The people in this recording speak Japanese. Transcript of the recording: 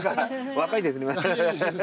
若いですね。